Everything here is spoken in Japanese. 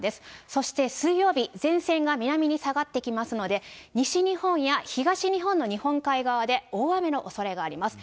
そして水曜日、前線が南に下がってきますので、西日本や東日本の日本海側で大雨のおそれがあります。